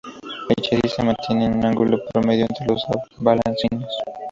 El chasis se mantiene con un ángulo promedio entre los dos balancines.